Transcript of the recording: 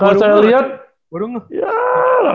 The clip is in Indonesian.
kalau saya lihat ya lah